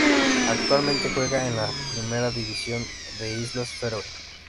Actualmente juega en la Primera División de las Islas Feroe.